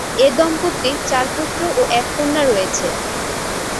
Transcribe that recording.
এ দম্পতির চার পুত্র ও এক কন্যা রয়েছে।